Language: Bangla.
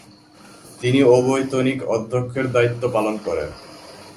তিনি অবৈতনিক অধ্যক্ষের দায়িত্ব পালন করেন।